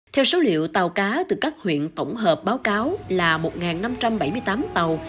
theo số liệu tàu cá từ các huyện tổng hợp báo cáo là một năm trăm bảy mươi tám tàu